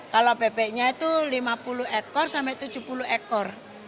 kalau bebeknya itu lima puluh ekor sampai tujuh puluh ekor